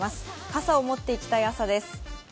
傘を持っていきたい朝です。